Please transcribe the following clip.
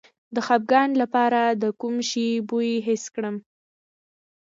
د خپګان لپاره د کوم شي بوی حس کړم؟